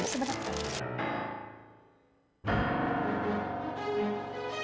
kalau nanti aku bisa cari